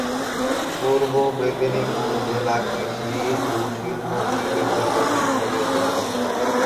পূর্ব মেদিনীপুর জেলা কৃষি ও শিল্প দুই ক্ষেত্রেই যথেষ্ট অগ্রসর।